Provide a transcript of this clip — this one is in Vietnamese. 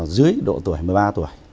dưới độ tuổi một mươi ba tuổi